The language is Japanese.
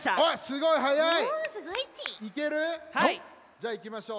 じゃあいきましょう。